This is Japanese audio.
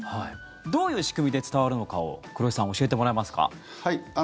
どういう仕組みで伝わるのかを黒井さん、教えてもらえますか？